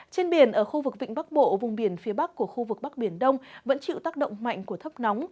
trên biển ở khu vực vịnh bắc bộ vùng biển phía bắc của khu vực bắc biển đông vẫn chịu tác động mạnh của thấp nóng